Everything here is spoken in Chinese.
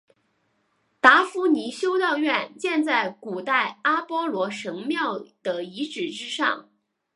达夫尼修道院建在古代阿波罗神庙的遗址之上。